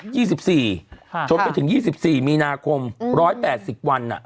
ค่ะค่ะชนไปถึง๒๔มีนาคม๑๘๐วัน